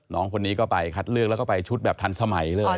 น้องคนนี้ก็ไปคัดเลือกแล้วก็ไปชุดแบบทันสมัยเลย